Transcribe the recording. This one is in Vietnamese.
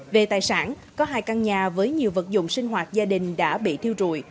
về tài sản có hai căn nhà với nhiều vật dụng sinh hoạt gia đình đã bị thiêu rụi